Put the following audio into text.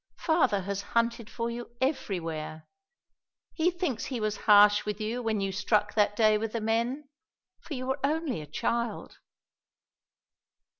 Father has hunted for you everywhere. He thinks he was harsh with you when you struck that day with the men for you were only a child.